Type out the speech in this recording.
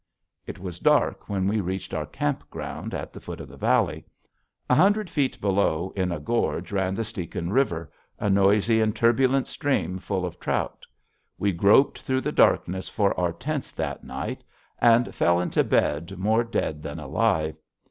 It was dark when we reached our camp ground at the foot of the valley. A hundred feet below, in a gorge, ran the Stehekin River, a noisy and turbulent stream full of trout. We groped through the darkness for our tents that night and fell into bed more dead than alive.